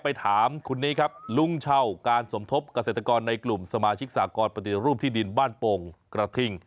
ไปถามคนนี้ครับลุงเช่าการสมทบเกษตรกรในกลุ่มสมาชิกสากรปฏิรูปที่ดินบ้านโป่งกระทิง